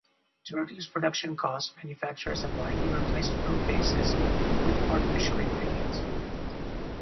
To reduce production costs, manufacturers have widely replaced fruit bases with artificial ingredients.